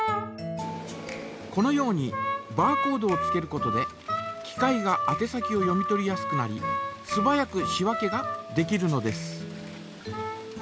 このようにバーコードをつけることで機械があて先を読み取りやすくなりすばやく仕分けができるのです。